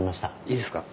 いいですか？